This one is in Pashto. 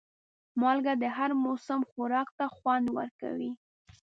مالګه د هر موسم خوراک ته خوند ورکوي.